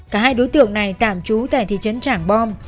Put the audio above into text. cả hai đối tượng này tạm trú tại thị trấn trảng bom